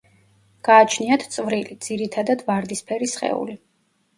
გააჩნიათ წვრილი, ძირითადად ვარდისფერი სხეული.